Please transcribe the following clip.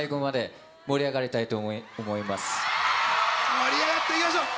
盛り上がっていきましょう。